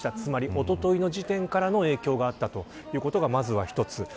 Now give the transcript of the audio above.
おとといの時点からの影響があったということがまずは１つ。